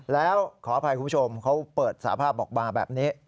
แล้วขออภัยคุณผู้ชมเขาเปิดสาภาพบอกมาแบบนี้